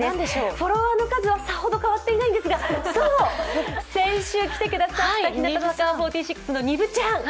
フォロワーの数はさほど変わっていないんですが、先週来てくださった乃木坂４６の丹生ちゃん！